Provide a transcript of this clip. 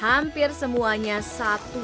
hampir semuanya satu satu